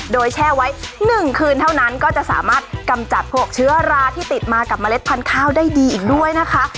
โดยแช่ไว้๑คืนเท่านั้นก็จะสามารถกำจัดพวกเชื้อราที่ติดมากับเมล็ดพันธุ์ข้าวได้ดีอีกด้วยนะคะ